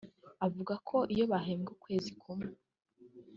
avuga ko iyo bahembwe ukwezi kumwe